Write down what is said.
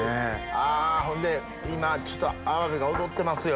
あほんで今ちょっとアワビが踊ってますよ。